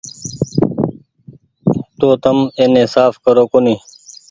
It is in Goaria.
تو تم ايني ساڦ ڪرو ڪونيٚ ۔